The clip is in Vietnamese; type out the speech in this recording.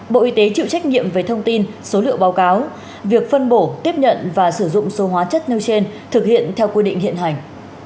bộ y tế chịu trách nhiệm về thông tin số liệu báo cáo việc phân bổ tiếp nhận và sử dụng số hóa chất nêu trên thực hiện theo quy định hiện hành